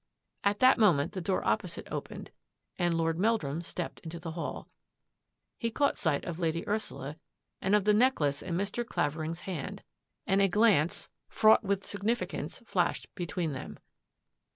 At that moment the door opposite opened and Lord Meldrum stepped into the hall. He caught sight of Lady Ursula and of the necklace in Mr. Clavering's hand, and a glance fraught with sig THE DRESSING TABLE DRAWER 111 nificance flashed between them.